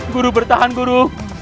guru bertahan guru